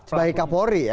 sebagai kapolri ya